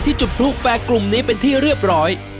จุดพลุแฟร์กลุ่มนี้เป็นที่เรียบร้อย